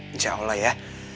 insya allah ya